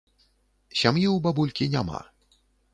Сям'і ў бабулькі няма.